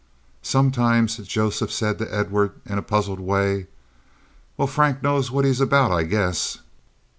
Sometimes Joseph said to Edward, in a puzzled way, "Well, Frank knows what he is about, I guess."